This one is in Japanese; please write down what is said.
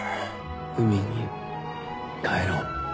海に帰ろう。